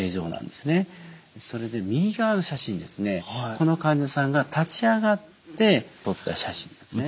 この患者さんが立ち上がって撮った写真なんですね。